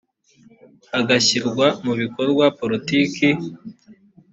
hagashyirwa mu bikorwa politiki